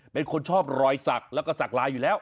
เป็นคนชอบรอยสักแล้วก็สักลายอยู่แล้ว